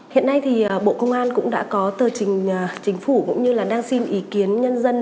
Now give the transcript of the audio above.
hiện nay thì bộ công an cũng đã có tờ trình chính phủ cũng như là đang xin ý kiến nhân dân